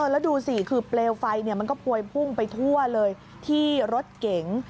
แล้วดูสิคือเปลวไฟมันก็พวยพุ่งไปทั่วเลยที่รถเก๋ง